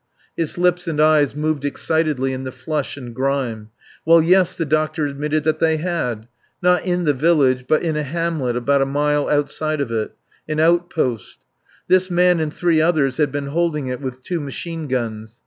His lips and eyes moved excitedly in the flush and grime. "Well yes," the doctor admitted that they had. Not in the village, but in a hamlet about a mile outside of it. An outpost. This man and three others had been holding it with two machine guns.